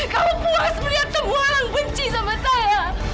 kamu puas melihat semua orang benci sama saya